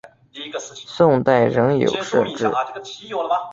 宋代仍有设置。